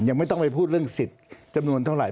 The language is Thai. ยังไม่ต้องไปพูดเรื่องสิทธิ์จำนวนเท่าไห